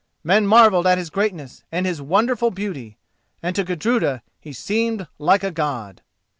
Men marvelled at his greatness and his wonderful beauty, and to Gudruda he seemed like a God.